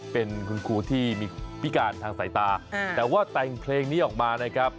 เป็นคุณครูที่มีพิการทางสายตาแต่ว่าแต่งเพลงนี้ออกมานะครับ